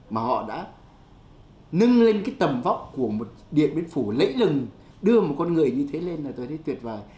mà họ đã nâng lên cái tầm vóc của một điện biên phủ lấy lừng đưa một con người như thế lên là tôi thấy tuyệt vời